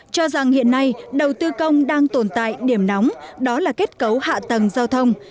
cho rằng hiện nay đầu tư công đang tồn tại điểm nóng đó là kết cấu hạ tầng giao thông